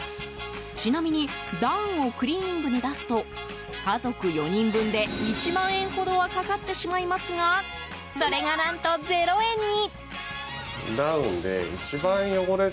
ちなみに、ダウンをクリーニングに出すと家族４人分で１万円ほどはかかってしまいますがそれが何と０円に。